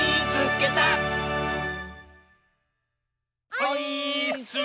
オイーッス！